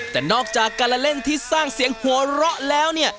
แต่นอกจากการเล่นที่สร้างเสียงหัวเราะแล้วเนี่ย